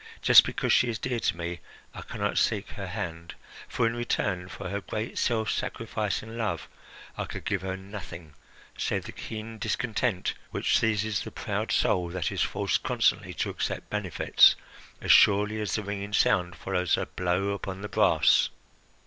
Just because she is so dear to me, I can not seek her hand; for, in return for her great self sacrificing love, I could give her nothing save the keen discontent which seizes the proud soul that is forced constantly to accept benefits, as surely as the ringing sound follows the blow upon the brass.